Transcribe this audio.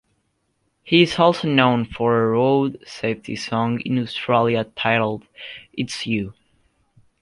He is also known for a road safety song in Australia titled "It's You".